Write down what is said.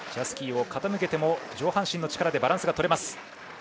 スキーを傾けても上半身の力でバランスが取れます。